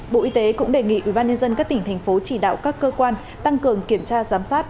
bộ y tế cũng đề nghị ubnd các tỉnh thành phố chỉ đạo các cơ quan tăng cường kiểm tra giám sát